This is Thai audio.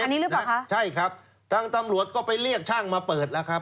อ๋อแล้วมีตู้เซฟใช่ครับทางตำรวจก็ไปเรียกช่างมาเปิดแล้วครับ